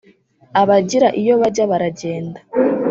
Abagira iyo bajya baragenda.